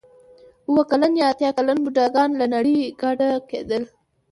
اوه کلن یا اتیا کلن بوډاګان له نړۍ کډه کېدل.